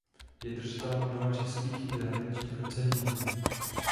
Je držitelem mnoha českých i zahraničních ocenění.